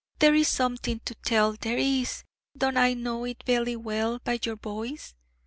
'There is something to tell there is! Don't I know it vely well by your voice?'